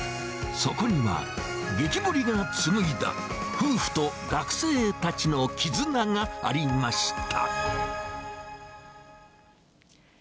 そこには、激盛りが紡いだ夫婦と学生たちの絆がありました。